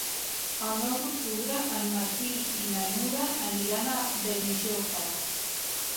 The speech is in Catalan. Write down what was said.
El nou d'octubre en Martí i na Nura aniran a Benijòfar.